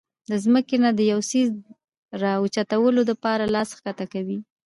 د زمکې نه د يو څيز را اوچتولو د پاره لاس ښکته کوي